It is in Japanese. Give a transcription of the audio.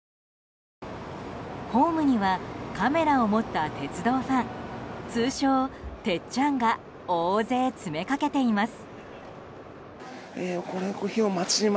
ホームにはカメラを持った鉄道ファン通称、鉄ちゃんが大勢詰めかけています。